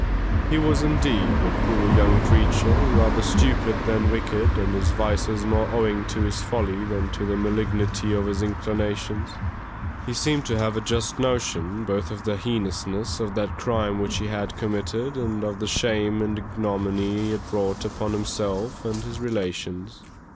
He was, indeed, a poor young creature, rather stupid than wicked and his vices more owing to his folly than to the malignity of his inclinations. He seemed to have a just notion both of the heinousness of that crime which he had committed and of the shame and ignominy he had brought upon himself and his relations.